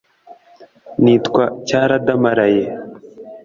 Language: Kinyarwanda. Nitwa Cyaradamaraye.